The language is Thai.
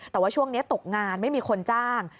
แต่ว่าช่วงนี้ตกงานไม่มีคนจ้าง